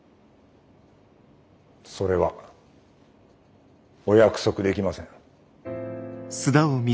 それはお約束できません。